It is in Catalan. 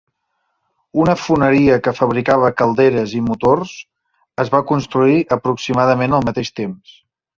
Una foneria que fabricava calderes i motors es va construir aproximadament al mateix temps.